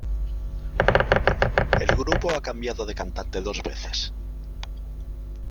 El grupo ha cambiado de cantante dos veces.